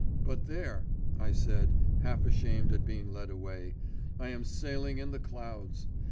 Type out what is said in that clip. But there," I said, half ashamed at being led away, "I am sailing in the clouds.